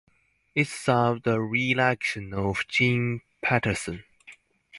It saw the reelection of Jim Patterson.